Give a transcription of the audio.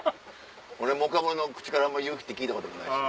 俺も岡村の口からあんま夕日って聞いたこともないし。